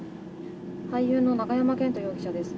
俳優の永山絢斗容疑者です。